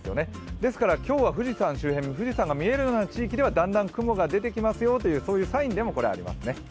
ですから、今日、富士山周辺、富士山が見えるような地域にはだんだん見えますよというそういうサインでもありますね。